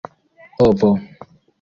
ovo